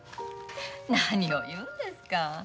何を言うんですか。